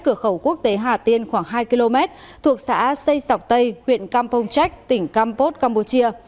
ở quốc tế hà tiên khoảng hai km thuộc xã xây sọc tây huyện campong chech tỉnh campos campuchia